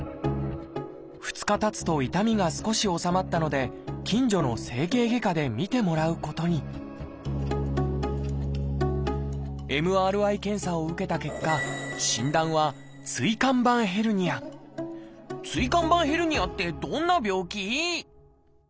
２日たつと痛みが少し治まったので近所の整形外科で診てもらうことにＭＲＩ検査を受けた結果診断は椎間板ヘルニアってどんな病気？